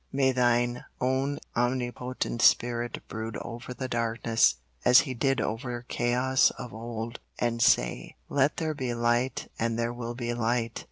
May Thine own omnipotent Spirit brood over the darkness, as He did over chaos of old, and say, "Let there be light, and there will be light."